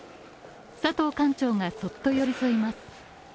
佐藤館長がそっと寄り添います。